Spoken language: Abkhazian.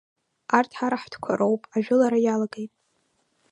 Арҭ ҳара ҳтәқәа роуп, ажәылара иалагеит.